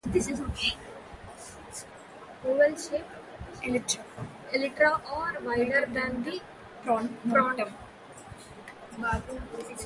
Its oval shaped elytra are wider than the pronotum.